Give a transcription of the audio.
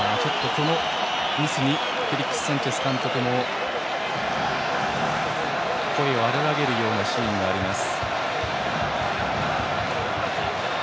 このミスにフェリックス・サンチェス監督も声を荒らげるようなシーンがあります。